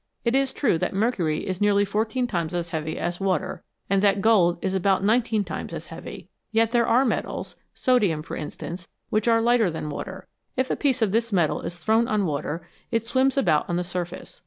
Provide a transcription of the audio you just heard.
It is true that mercury is nearly fourteen times as heavy as water, and that gold is about nineteen times as heavy, yet there are metals sodium, for instance which are lighter than water ; if a piece of this metal is thrown on water it swims about on the surface.